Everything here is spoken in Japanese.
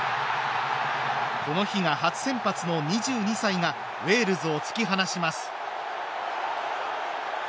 この日が初先発の２２歳がウェールズを突き放します。